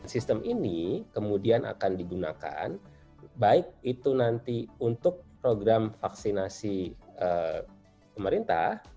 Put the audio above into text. sistem ini kemudian akan digunakan baik itu nanti untuk program vaksinasi pemerintah